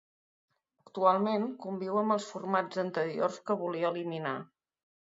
Actualment conviu amb els formats anteriors que volia eliminar.